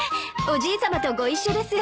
おじいさまとご一緒です。